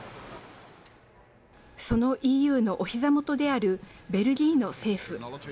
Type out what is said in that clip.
そのＥＵのおひざ元であるベルギーの政府。